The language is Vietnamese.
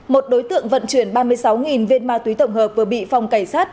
một đối tượng vận chuyển ba mươi sáu viên ma túy tổng hợp vừa bị phòng cảnh sát